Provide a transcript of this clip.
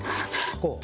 こう。